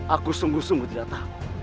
aku sungguh sungguh tidak tahu